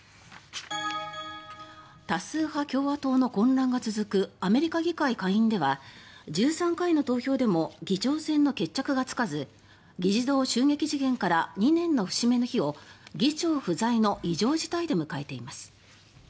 多数派・共和党の混乱が続くアメリカ議会下院では１３回の投票でも議長選の決着がつかず議事堂襲撃事件から２年の節目の日を議長不在の異常事態で迎えています。